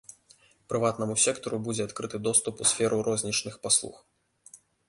Прыватнаму сектару будзе адкрыты доступ у сферу рознічных паслуг.